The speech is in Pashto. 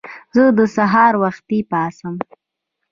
زه د سهار وختي پاڅم.